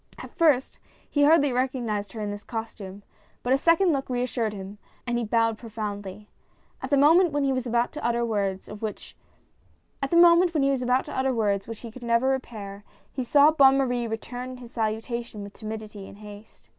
At first he hardly recog nized her in this costume, but a second look reassured him, and he bowed profoundly. At the moment when he was about to utter words which he could never repair, he saw Bonne Marie return his salutation with timidity and haste.